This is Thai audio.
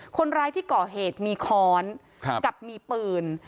คนร้ายที่ก่อเหตุมีค้อนกับมีปืน